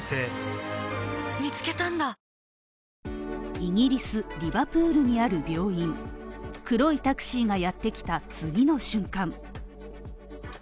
イギリスリバプールにある病院、黒いタクシーがやってきた次の瞬間